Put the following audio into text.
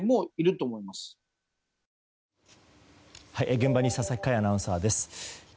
現場に佐々木快アナウンサーです。